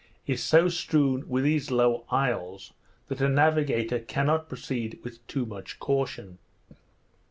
is so strewed with these low isles, that a navigator cannot proceed with too much caution.